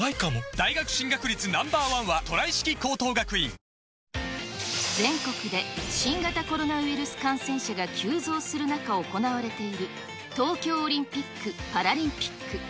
人の話が聞けるということですも全国で新型コロナウイルス感染者が急増する中、行われている東京オリンピック・パラリンピック。